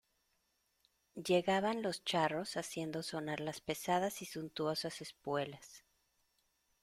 llegaban los charros haciendo sonar las pesadas y suntuosas espuelas